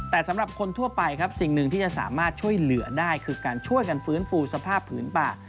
แต่สำหรับคนทั่วไปครับสิ่งหนึ่งที่จะสามารถช่วยเหลือได้คือการช่วยกันฟื้นฟูสภาพผืนป่า